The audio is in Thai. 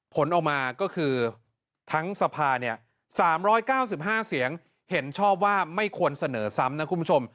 ผลออกมาก็คือทั้งสภา๓๙๕เสียงเห็นชอบว่าไม่ควรเสนอซ้ำนะคุณผู้ชม